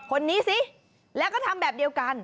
คนนี้สิแล้วก็ทำแบบเดียวกัน